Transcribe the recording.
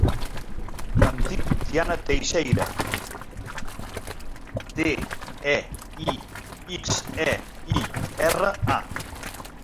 Em dic Diana Teixeira: te, e, i, ics, e, i, erra, a.